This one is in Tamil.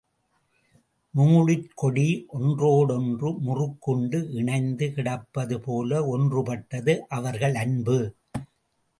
நூழிற்கொடி ஒன்றோடொன்று முறுக்குண்டு இணைந்து கிடப்பதுபோல ஒன்றுபட்டது அவர்கள் அன்பு.